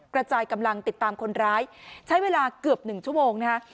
กระจายกำลังติดตามคนร้ายใช้เวลาเกือบ๑ชั่วโมงนะคะ